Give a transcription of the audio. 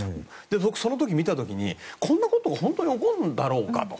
僕、その時見た時にこんなことが本当に起こるんだろうかと。